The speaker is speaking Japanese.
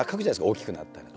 「大きくなったら」。